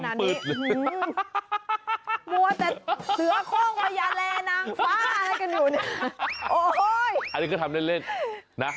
แล้วก็จะนอนยังไงหรอกไอหนิ